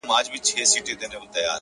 ځوان ناست دی،